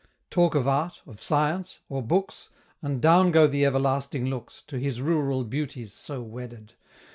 Talk of Art, of Science, or Books, And down go the everlasting looks, To his rural beauties so wedded!